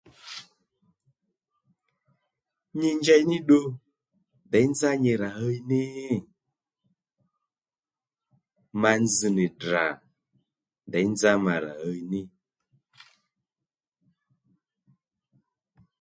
Nyi njey ní ddu děy nzá nyi rà ɦiy ní? Ma nzz nì Ddrà děy nzá mà rà ɦiy ní